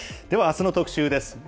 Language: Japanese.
ではあすの特集です。